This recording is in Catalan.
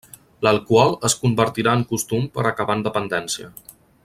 L'alcohol es convertirà un costum per acabar en dependència.